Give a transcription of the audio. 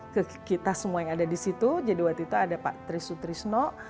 ke kita semua yang ada di situ jadi waktu itu ada pak trisutrisno